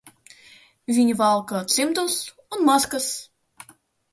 Viņi valkā cimdus un maskas.